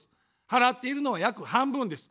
払っているのは約半分です。